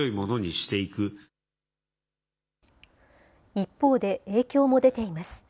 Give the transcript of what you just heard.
一方で、影響も出ています。